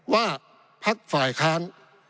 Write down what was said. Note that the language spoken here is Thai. ว่าพักฝ่ายค้าน